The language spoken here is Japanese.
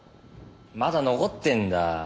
まだ残ってるんだ。